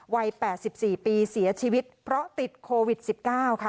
วัย๘๔ปีเสียชีวิตเพราะติดโควิด๑๙ค่ะ